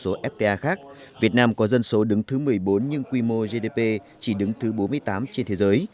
với một số fta khác việt nam có dân số đứng thứ một mươi bốn nhưng quy mô gdp chỉ đứng thứ bốn mươi tám trên thế giới